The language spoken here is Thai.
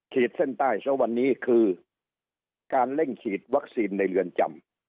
เส้นใต้ซะวันนี้คือการเร่งฉีดวัคซีนในเรือนจำ